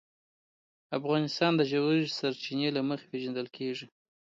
افغانستان د ژورې سرچینې له مخې پېژندل کېږي.